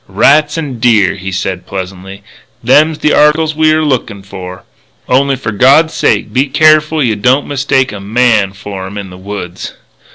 "Rats an' deer," he said pleasantly. "Them's the articles we're lookin' for. Only for God's sake be careful you don't mistake a man for 'em in the woods."